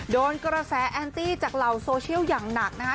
โดนกระแสแอนตี้จากเหล่าโซเชียลอย่างหนักนะคะ